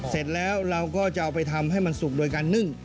เสร็จแล้วเราก็จะเอาไปทำให้มันสุกโดยการนึ่ง